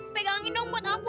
pegangin dong buat apa